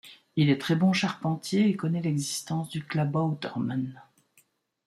Il est très bon charpentier et connait l'existence du Klabautermann.